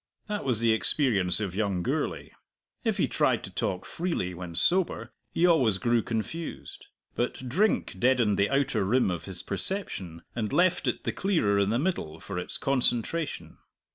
That was the experience of young Gourlay. If he tried to talk freely when sober, he always grew confused. But drink deadened the outer rim of his perception and left it the clearer in the middle for its concentration.